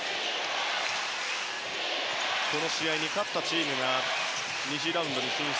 この試合に勝ったチームが２次ラウンドに進出。